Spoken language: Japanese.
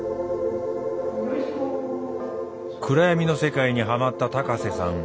暗闇の世界にはまった高瀬さん。